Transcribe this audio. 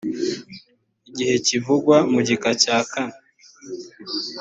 igihe kivugwa mu gika cya kanei